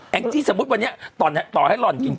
แห่งที่สมมติวันนี้ต่อให้หล่อนเก่ง